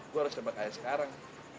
gua harus tembak ayah sekarang